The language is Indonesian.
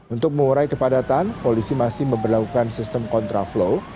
untuk mengurai kepadatan polisi masih memperlakukan sistem kontraflow